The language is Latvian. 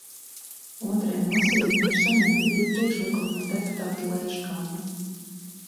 Otrajam lasījumam ir saņemti divi priekšlikumi no deputāta Leiškalna.